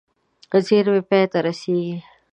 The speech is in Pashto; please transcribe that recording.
زېرمې پای ته رسېږي.